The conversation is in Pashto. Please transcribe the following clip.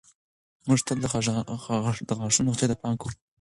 موږ تل د غاښونو روغتیا ته پام کوو.